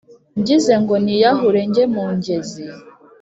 Ngize ngo niyahure njye mu ngezi,